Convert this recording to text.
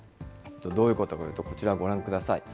どういうことかというと、こちらご覧ください。